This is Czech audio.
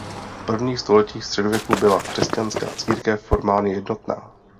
V prvních stoletích středověku byla křesťanská církev formálně jednotná.